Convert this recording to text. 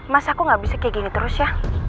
mas aku gak bisa kayak gini terus ya